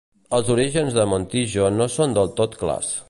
Els orígens de Montijo no són del tot clars.